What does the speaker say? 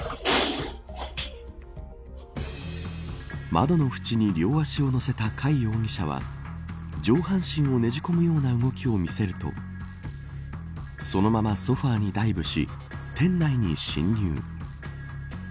窓のふちに両足を乗せた貝容疑者は上半身をねじ込むような動きを見せるとそのままソファにダイブし店内に侵入。